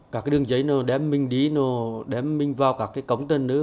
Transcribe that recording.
cả cái đường giấy nó đem mình đi nó đem mình vào các cái cổng tên nữa